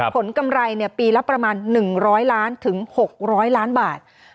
กำไรปีละประมาณ๑๐๐ล้านถึง๖๐๐ล้านบาท